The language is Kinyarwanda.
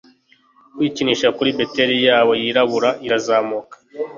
kwikinisha kuri beteli yabo yirabura irazamuka